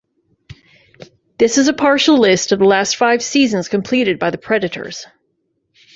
This is a partial list of the last five seasons completed by the Predators.